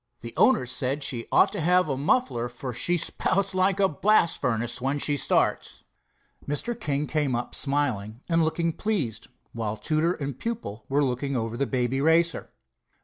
The owners said she ought to have a muffler, for she spouts like a blast furnace when she starts." Mr. King came up, smiling and looking pleased, while tutor and pupil were looking over the Baby Racer.